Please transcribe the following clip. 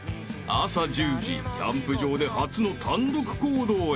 ［朝１０時キャンプ場で初の単独行動へ］